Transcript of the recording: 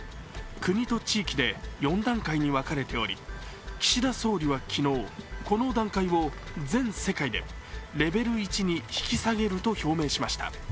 国と地域で４段階に分かれており岸田総理は昨日、この段階を全世界でレベル１に引き下げると表明しました。